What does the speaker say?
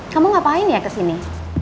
kamu ngapain ya kesini